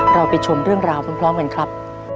เราไปชมเรื่องราวพร้อมกันครับ